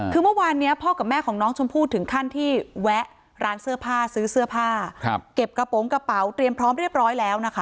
คือเมื่อวานนี้พ่อกับแม่ของน้องชมพู่ถึงขั้นที่แวะร้านเสื้อผ้าซื้อเสื้อผ้าเก็บกระโปรงกระเป๋าเตรียมพร้อมเรียบร้อยแล้วนะคะ